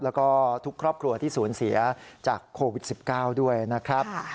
แล้วก็ทุกครอบครัวที่สูญเสียจากโควิด๑๙ด้วยนะครับ